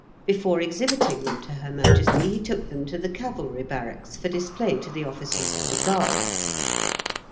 Before exhibiting them to her Majesty he took them to the Cavalry Barracks for display to the officers of the Guards.